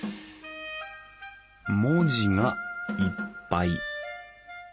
文字がいっぱい。